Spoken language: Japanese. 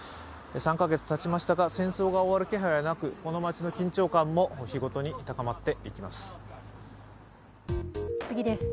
３カ月たちましたが戦争が終わる気配はなく、この街の緊張感も日ごとに高まっています。